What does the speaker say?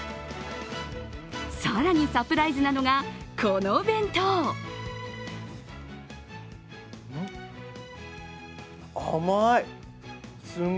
更にサプライズなのが、このお弁当ん？